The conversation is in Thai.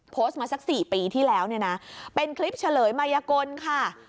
โพสต์มาสัก๔ปีที่แล้วเนี่ยนะเป็นคลิปเฉลยมายกลค่ะ